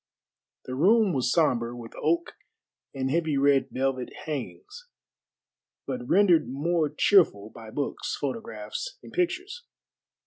The room was sombre with oak and heavy red velvet hangings, but rendered more cheerful by books, photographs, and pictures.